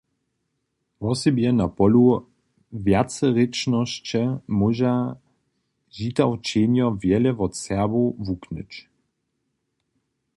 Wosebje na polu wjacerěčnosće móža Žitawčenjo wjele wot Serbow wuknyć.